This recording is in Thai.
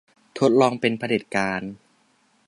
ทดลองเป็นเผด็จการ